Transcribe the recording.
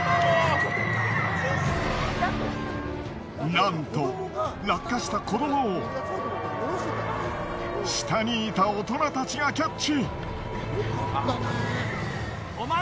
なんと落下した子どもを下にいた大人たちがキャッチ！